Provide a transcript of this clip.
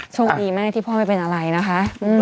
โชคดีมากที่พ่อไม่เป็นอะไรนะคะ